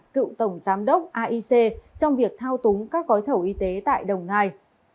cựu tổng giám đốc aic trong việc thao túng các gói thầu y tế tại đồng nai